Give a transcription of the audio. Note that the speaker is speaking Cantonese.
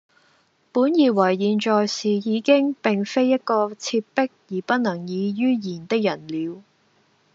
本以爲現在是已經並非一個切迫而不能已于言的人了，